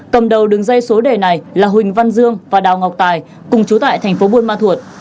cầm đầu đứng dây số đề này là huỳnh văn dương và đào ngọc tài cùng chú tại tp bun ban thuật